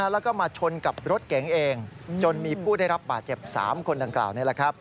แล้วก็มาชนกับรถเก๋งเองจนมีผู้ได้รับบาดเจ็บ๓คนดังกล่าว